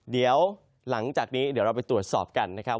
เดี๋ยวหลังจากนี้เดี๋ยวเราไปตรวจสอบกันนะครับ